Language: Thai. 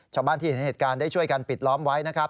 ชาวบ้านที่เห็นเหตุการณ์ได้ช่วยกันปิดล้อมไว้นะครับ